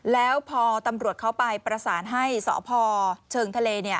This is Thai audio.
แล้วพอตำรวจเขาไปประสานให้สพเชิงทะเล